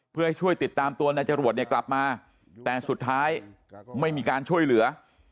เพื่อให้ช่วยติดตามตัวนายจรวดเนี่ยกลับมาแต่สุดท้ายไม่มีการช่วยเหลือ